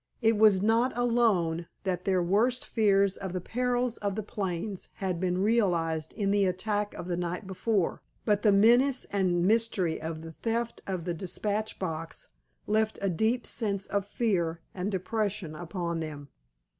It was not alone that their worst fears of the perils of the plains had been realized in the attack of the night before, but the menace and mystery of the theft of the dispatch box left a deep sense of fear and depression upon them.